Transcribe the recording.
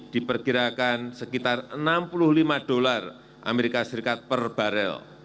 diperkirakan sekitar rp enam puluh lima amerika serikat per barel